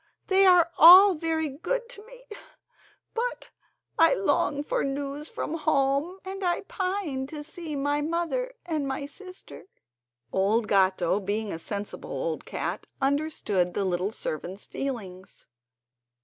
they are all very good to me; but I long for news from home, and I pine to see my mother and my sister." Old Gatto, being a sensible old cat, understood the little servant's feelings.